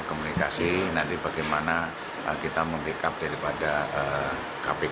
komunikasi nanti bagaimana kita membackup daripada kpk